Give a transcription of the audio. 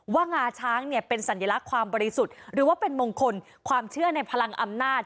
งาช้างเนี่ยเป็นสัญลักษณ์ความบริสุทธิ์หรือว่าเป็นมงคลความเชื่อในพลังอำนาจ